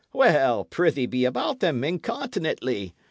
Well, prithee be about them incontinently.